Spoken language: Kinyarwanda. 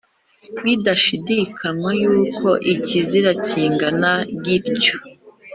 bidashidikanywa yuko ikizira kingana gityo